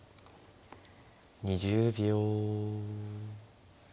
２０秒。